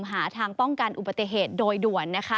หาทางป้องกันอุบัติเหตุโดยด่วนนะคะ